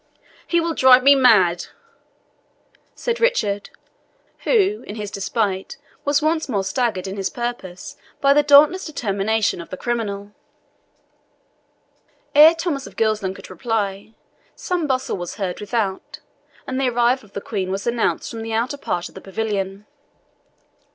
"He will drive me mad!" said Richard, who, in his despite, was once more staggered in his purpose by the dauntless determination of the criminal. Ere Thomas of Gilsland could reply, some bustle was heard without, and the arrival of the Queen was announced from the outer part of the pavilion.